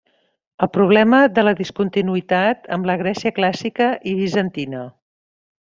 El problema de la discontinuïtat amb la Grècia clàssica i bizantina.